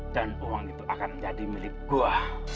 dan uang itu akan menjadi milik gua